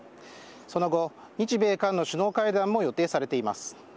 その後、日米韓の首脳会談も予定されています。